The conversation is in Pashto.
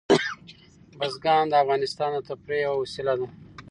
بزګان د افغانانو د تفریح یوه وسیله ده.